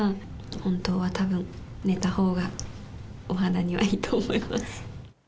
本当はたぶん、寝たほうが、お肌にはいいと思います。